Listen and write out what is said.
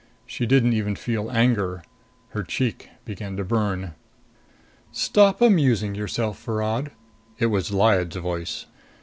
She didn't even feel anger. Her cheek began to burn. "Stop amusing yourself, Virod!" It was Lyad's voice.